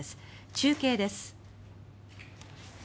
中継です。